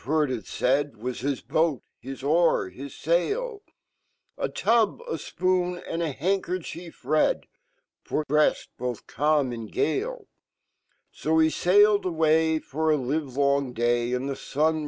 heardit faid Was hiiboat, hii o^r, his sail? A tub , a fpn , and a handkerchief red , to bread bofh cairn send gale. S He sailed away, for a livelon And fhe sun.